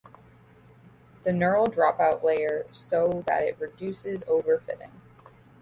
The neural dropout layer so that it reduces overfitting.